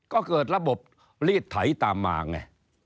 ก็เกิดระบบลีดไถตามมาไง